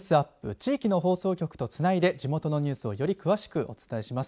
地域の放送局とつないで地元のニュースをより詳しくお伝えします。